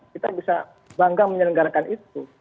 kita bisa bangga menyelenggarakan itu